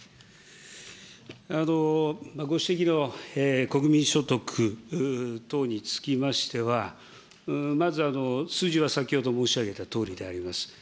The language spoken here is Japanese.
ご指摘の国民所得等につきましては、まず数字は先ほど申し上げたとおりであります。